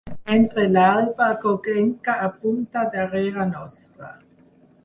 Mentre l'alba groguenca apunta darrere nostre